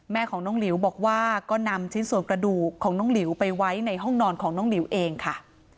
แม่ของน้องหลิวบอกว่าก็นำชิ้นส่วนกระดูกของน้องหลิวไปไว้ในห้องนอนของน้องหลิวเองค่ะ